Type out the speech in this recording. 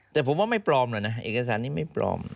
แต่ผมว่าไม่ปลอมหรอกนะเอกสารนี้ไม่ปลอม